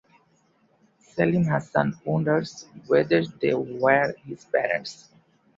Selim Hassan wonders whether they were his parents.